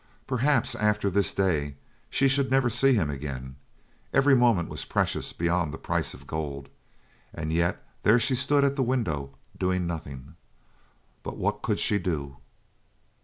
Perhaps, after this day, she should never see him again; every moment was precious beyond the price of gold, and yet there she stood at the window, doing nothing. But what could she do?